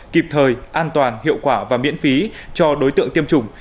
kịp thời an toàn hiệu quả và miễn phí cho đối tượng tiêm chủng